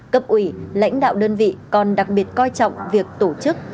cấp ủy lãnh đạo đơn vị còn đặc biệt coi trọng việc tổ chức